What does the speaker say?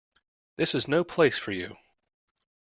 This is no place for you.